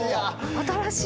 新しい。